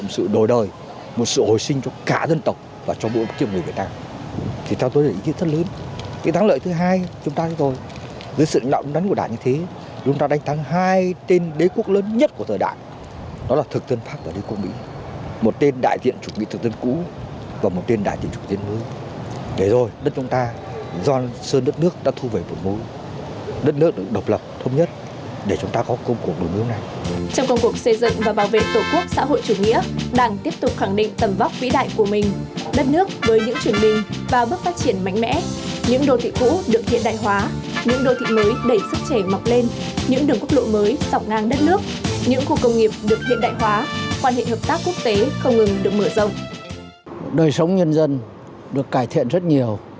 trong công cuộc xây dựng và bảo vệ tổ quốc xã hội chủ nghĩa đảng tiếp tục khẳng định tầm vóc vĩ đại của mình đất nước với những chuyển bình và bước phát triển mạnh mẽ những đô thị cũ được hiện đại hóa những đô thị mới đẩy sức trẻ mọc lên những đường quốc lộ mới dọc ngang đất nước những cuộc công nghiệp được hiện đại hóa quan hệ hợp tác quốc tế không ngừng được mở rộng